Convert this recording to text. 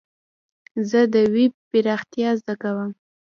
زه د ويب پراختيا زده کوم.